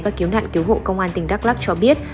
và cứu nạn cứu hộ công an tỉnh đắk lắc cho biết